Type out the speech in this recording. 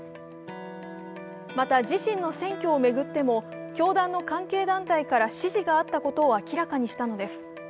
また、自身の選挙を巡っても、教団の関係団体から支持があったことを明らかにしたのです。